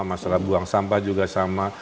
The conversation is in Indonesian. masalah buang sampah juga sama